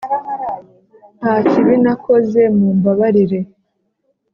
nta kibi nakoze mumbabarire